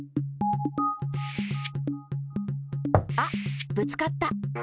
あっぶつかった。